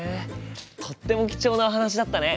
とっても貴重なお話だったね。